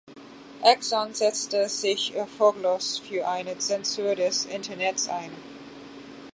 Exon setzte sich erfolglos für eine Zensur des Internets ein.